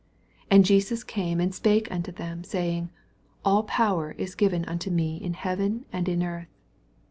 18 And Jesus came and spake unto them, saying, AU power is given unto me in heaven and in earth.